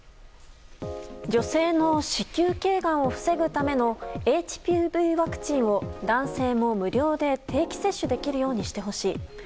女性の子宮頸がんを防ぐためのＨＰＶワクチンを男性も無料で定期接種できるようにしてほしい。